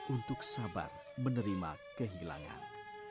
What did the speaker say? untuk sabar menerima kehilangan